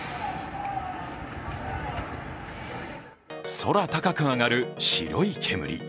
空高く上がる白い煙。